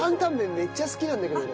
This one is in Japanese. めっちゃ好きなんだけど俺。